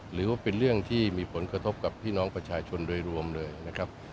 หรือว่าเป็นเรื่องที่มีผลกระทบกับพี่น้องประชาชนโดยรวมเลยนะครับ